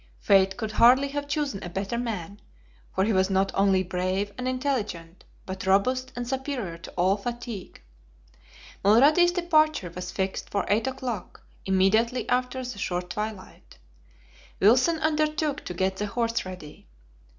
Fate could hardly have chosen a better man, for he was not only brave and intelligent, but robust and superior to all fatigue. Mulrady's departure was fixed for eight o'clock, immediately after the short twilight. Wilson undertook to get the horse ready.